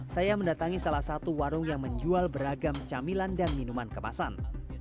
saya mendatangi salah satu warung yang menjual beragam camilan dan minuman kemasan